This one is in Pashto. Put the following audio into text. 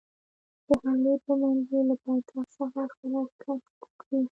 د حملې په منظور له پایتخت څخه حرکت وکړي.